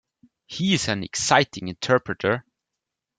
He is an exciting interpreter.